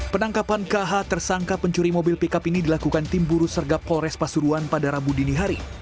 penangkapan kh tersangka pencuri mobil pickup ini dilakukan tim buru sergap polres pasuruan pada rabu dini hari